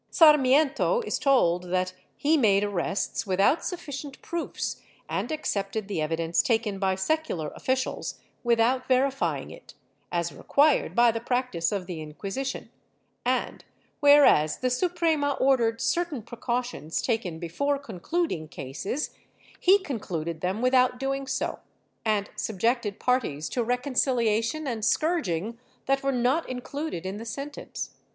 Sarmiento is told that he made arrests without sufficient proofs and accepted the evidence taken by secular officials without verifying it, as required by the practice of the Inquisition, and, whereas the Suprema ordered certain precautions taken before concluding cases, he concluded them without doing so, and subjected parties to rec onciliation and scourging that were not included in the sentence.